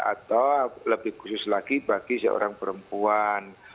atau lebih khusus lagi bagi seorang perempuan